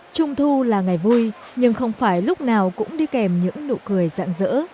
trung thu là ngày vui nhưng không phải lúc nào cũng đi kèm những nụ cười dạng dỡ